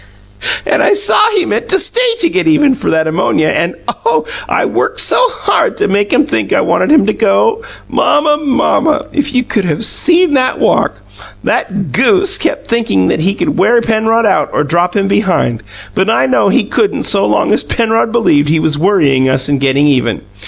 And I saw he meant to stay to get even for that ammonia and, oh, I worked so hard to make him think I wanted him to GO! Mamma, mamma, if you could have SEEN that walk! That GOOSE kept thinking he could wear Penrod out or drop him behind, but I knew he couldn't so long as Penrod believed he was worrying us and getting even.